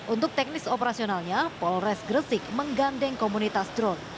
untuk teknis operasionalnya polres gresik menggandeng komunitas drone